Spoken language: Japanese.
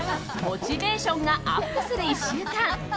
モチベーションがアップする１週間。